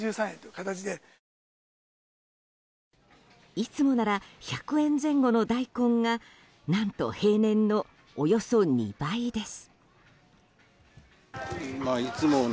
いつもなら１００円前後のダイコンが何と平年のおよそ２倍です。